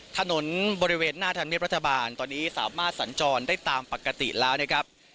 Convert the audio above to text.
ถนนบริเวณหน้าธรรมเนียบรัฐบาลตอนนี้สามารถสัญจรได้ตามปกติแล้วนะครับ